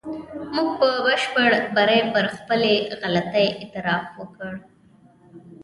موږ په بشپړ بري پر خپلې غلطۍ اعتراف وکړ.